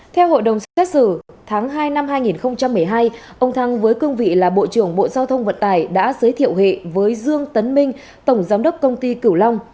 theo hội đồng xét xử tháng hai năm hai nghìn một mươi hai ông thăng với cương vị là bộ trưởng bộ giao thông vận tải đã giới thiệu hệ với dương tấn minh tổng giám đốc công ty cửu long